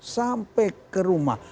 sampai ke rumah